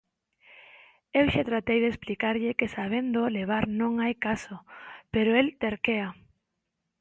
Eu xa tratei de explicarlle que sabéndoo levar non hai caso pero él terquea.